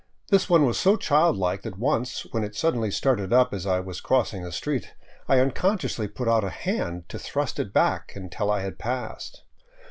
This one was so childlike that once, when it suddenly started up as I was crossing the street, I unconsciously put out a hand to thrust it back until I had passed.